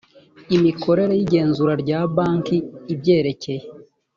imikorere y igenzura rya banki ibyerekeye